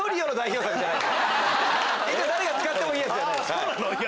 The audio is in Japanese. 誰が使ってもいいやつじゃない。